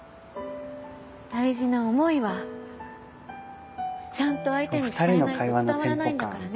大事な思いはちゃんと相手に伝えないと伝わらないんだからね。